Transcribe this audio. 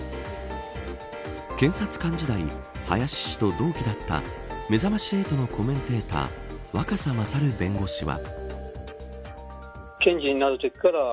検察官時代林氏と同期だっためざまし８のコメンテーター若狭勝弁護士は。